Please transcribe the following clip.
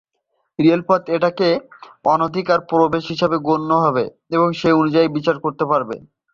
রেলপথগুলো এটাকে অনধিকার প্রবেশ হিসেবে গণ্য করে এবং সেই অনুযায়ী বিচার করতে পারে।